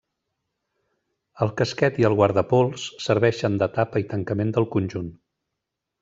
El casquet i el guardapols serveixen de tapa i tancament del conjunt.